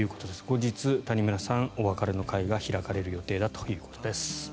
後日、谷村さん、お別れの会が開かれる予定だということです。